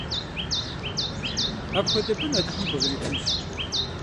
Апхуэдэ бын Алыхьым къузэритынщ!